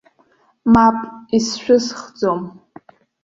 Мап, исшәысхӡом.